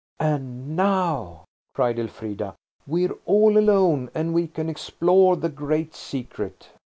"And now," cried Elfrida, "we're all alone, and we can explore the great secret!"